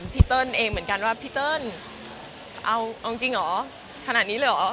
เติ้ลเองเหมือนกันว่าพี่เติ้ลเอาจริงเหรอขนาดนี้เลยเหรอ